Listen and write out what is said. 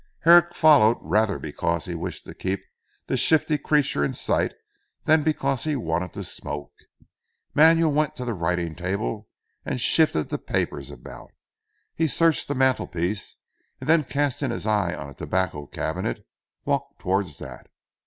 Herrick followed rather because he wished to keep this shifty creature in sight than because he wanted to smoke. Manuel went to the writing table and shifted the papers about. He searched the mantelpiece, and then casting his eyes on a tobacco cabinette walked towards that.